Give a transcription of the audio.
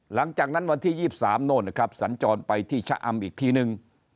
หลังจากนั้นวันที่๒๓โน่นนะครับสัญจรไปที่ชะอำอีกทีนึง